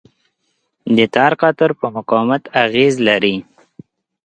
د تار قطر په مقاومت اغېز لري.